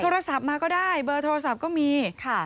โทรศัพท์มาก็ได้เบอร์โทรศัพท์ก็มีค่ะ